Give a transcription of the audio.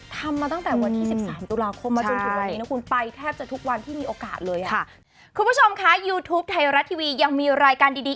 ทำมาตั้งแต่วันที่๑๓ตุลาคมมาจนถึงวันนี้นะคุณ